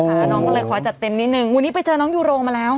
น้องต้องเลยขอจัดเต็มนิดหนึ่งวันนี้ไปเจอน้องมาแล้ว